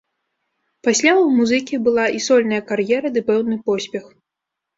Пасля ў музыкі была і сольная кар'ера ды пэўны поспех.